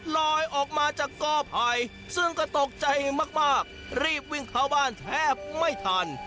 ลอยออกมาจากกอภัยซึ่งก็ตกใจมากรีบวิ่งเข้าบ้านแทบไม่ทัน